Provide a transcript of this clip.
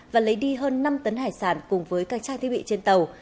và lấy đi hơn năm tấn hải sản cùng với các trang thiết bị trên tàu